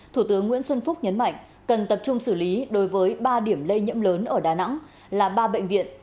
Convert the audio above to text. thủ tướng nguyễn xuân phúc nhấn mạnh cần tập trung xử lý đối với ba điểm lây nhiễm lớn ở đà nẵng là ba bệnh viện